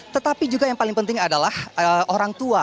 tetapi juga yang paling penting adalah orang tua